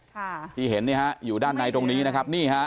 ค่ะที่เห็นนี่ฮะอยู่ด้านในตรงนี้นะครับนี่ฮะ